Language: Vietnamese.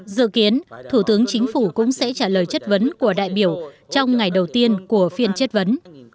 dự kiến thủ tướng chính phủ cũng sẽ trả lời chất vấn của đại biểu trong ngày đầu tiên của phiên chất vấn